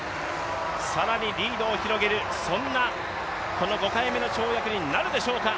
更にリードを広げるそんなこの５回目の跳躍になるでしょうか。